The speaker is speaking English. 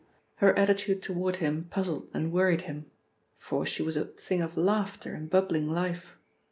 Her attitude toward him puzzled and worried him. For she was a thing of laughter and bubbling life.